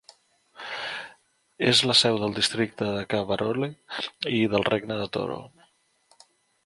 És la seu del districte de Kabarole i del regne de Toro.